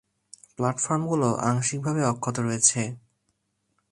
প্ল্যাটফর্মগুলো আংশিকভাবে অক্ষত রয়েছে।